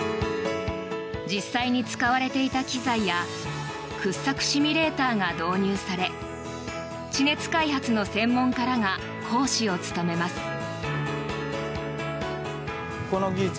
実際に使われていた機材や掘削シミュレーターが導入され地熱開発の専門家らが講師を務めます。